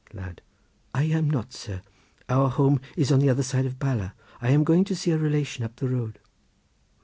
Lad.—I am not, sir; our home is on the other side of Bala. I am going to see a relation up the road.